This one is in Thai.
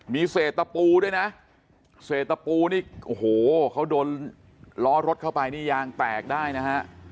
มีเศษตะปูด้วยนะเศษตะปูนี่โอ้โหเขาโดนล้อรถเข้าไปนี่ยางแตกได้นะฮะ